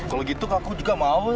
kalau gitu kakak juga mau